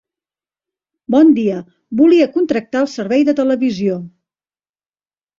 Bon dia, volia contractar el servei de televisió.